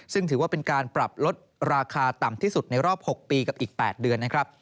ซึ่งถือว่าเป็นการปรับลดราคาต่ำที่สุดในรอบ๖ปีกับอีก๘เดือนนะครับ